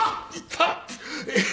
痛っ！